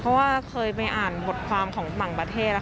เพราะว่าเคยไปอ่านบทความของต่างประเทศ